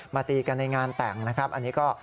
ตีกันในงานแต่งนะครับอันนี้ก็